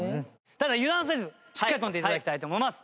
ただ油断せずしっかり跳んで頂きたいと思います。